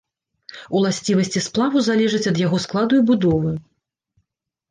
Уласцівасці сплаву залежаць ад яго складу і будовы.